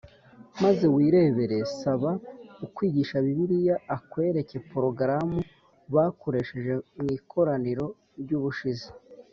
Maze wirebere saba ukwigisha bibiliya akwereke porogaramu bakoresheje mu ikoraniro ry ubushize